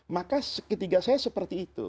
maka ketiga saya seperti itu